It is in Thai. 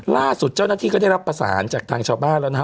ล่าสุดเจ้าหน้าที่ก็ได้รับประสานจากทางชาวบ้านแล้วนะฮะ